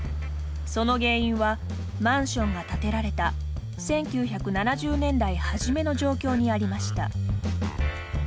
その原因はマンションが建てられた１９７０年代初めの状況にありました。